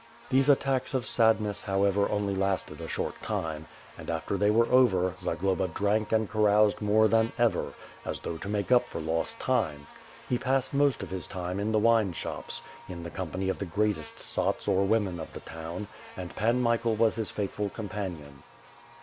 These attacks of sadness, however, only lasted a short time; and, after they were over, Zagloba drank and caroused more than ever, as though to make up for lost time. He passed most of his time in tlie wine shops, in the company of the greatest sots or women of the town, and Pan Michael was his faithful companion.